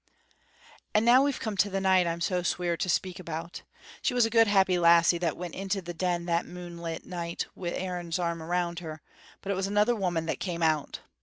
"And now we've come to the night I'm so sweer to speak about. She was a good happy lassie that went into the Den that moonlight night wi' Aaron's arm round her, but it was another woman that came out.